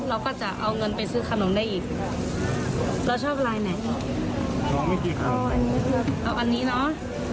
เราก็จะเอาเงินไปซื้อขนมได้อีกเราชอบลายไหนอ๋ออันนี้เอาอันนี้เนอะ